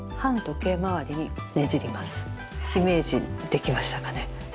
イメージできましたかね？